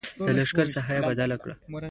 د لښکر ساحه یې بدله کړه.